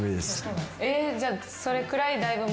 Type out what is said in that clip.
じゃあそれくらい。